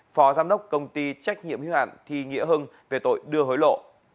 phó giám đốc công ty trách nhiệm hữu hạn thi nghĩa hưng về tội đưa hối lộ